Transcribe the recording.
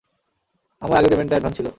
আমার আগের পেমেন্টটা এডভান্স ছিল।